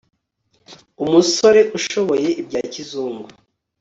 umusore ushoboye ibya kizungu